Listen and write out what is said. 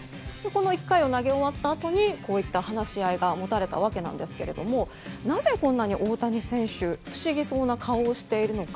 １回を投げ終わったあとにこういった話し合いがもたれたわけですがなぜ、こんなに大谷選手不思議そうな顔をしているのか。